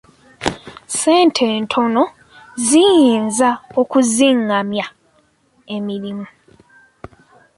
Ssente entono ziyinza okizingamya emirimu.